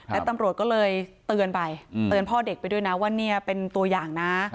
และตำรวจก็เลยเตือนไปเตือนพ่อเด็กไปด้วยนะว่าเนี่ยเป็นตัวอย่างนะ